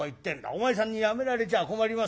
お前さんに辞められちゃ困りますよ」。